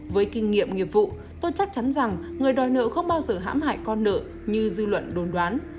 với kinh nghiệm nghiệp vụ tôi chắc chắn rằng người đòi nợ không bao giờ hãm hại con nợ như dư luận đồn đoán